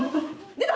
出た！